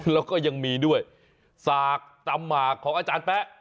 แล้วก็ยังมีด้วยสากตำหมากของอาจารย์แป๊ะ